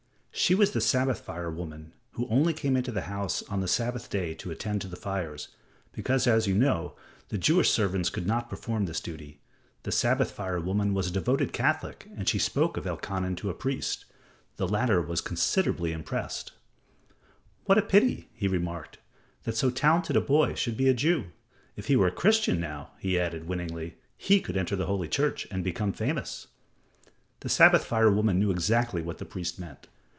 She was the Sabbath fire woman who only came into the house on the Sabbath day to attend to the fires, because, as you know, the Jewish servants could not perform this duty. The Sabbath fire woman was a devoted Catholic and she spoke of Elkanan to a priest. The latter was considerably impressed. [Illustration: "Thou canst only be my long lost son Elkanan!" (Page 224).] "What a pity," he remarked, "that so talented a boy should be a Jew. If he were a Christian, now," he added, winningly, "he could enter the Holy Church and become famous." The Sabbath fire woman knew exactly what the priest meant.